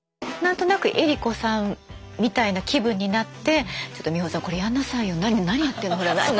何となく江里子さんみたいな気分になって「ちょっと美穂さんこれやんなさいよ。何やってんのほら。